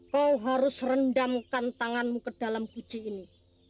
kau harus rendamkan tanganmu ke dalam guci ini